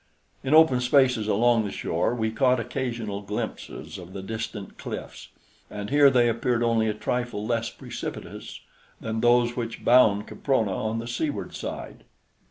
In open spaces along the shore we caught occasional glimpses of the distant cliffs, and here they appeared only a trifle less precipitous than those which bound Caprona on the seaward side.